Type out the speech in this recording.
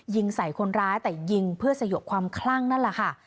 ยิงใส่คนร้ายแต่ยิงเพื่อสยบความคลั่งนั่นแหละค่ะ